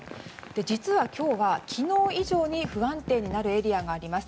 実は今日は昨日以上に不安定になるエリアがあります。